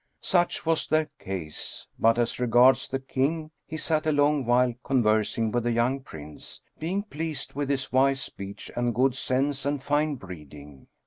Such was their case; but as regards the King, he sat a long while conversing with the young Prince, being pleased with his wise speech and good sense and fine breeding.